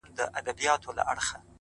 o په مخه دي د اور ګلونه؛